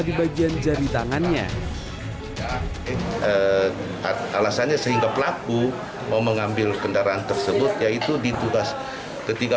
di bagian jari tangannya alasannya sehingga pelaku mengambil kendaraan tersebut yaitu ditugas ketiga